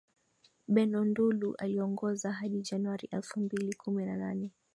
beno ndulu aliongoza hadi januari elfu mbili kumi na nane